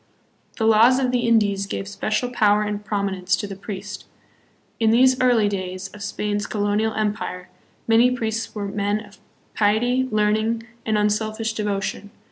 "The Laws of the Indies" gave special power and prom inence to the priest. In these early days of Spain's colonial empire many priests were men of piety, learning, and un selfish devotion.